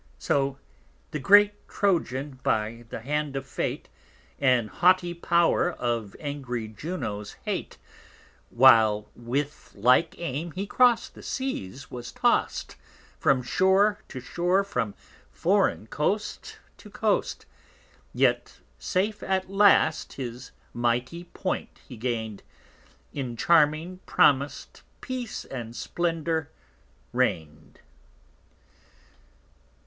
So the great Trojan_, by the Hand of Fate, And haughty Power of angry_ Juno_'s Hate, While with like aim he cross'd the Seas, was tost, 70 From Shore to Shore, from foreign Coast to Coast: Yet safe at last his mighty Point he gain'd; In charming promis'd Peace and Splendor reign'd._ MEL.